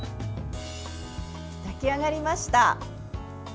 炊き上がりました。